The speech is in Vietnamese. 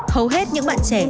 hầu hết những bạn trẻ